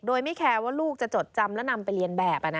โดยไม่แคร์ว่าลูกจะจดจำและนำไปเรียนแบบ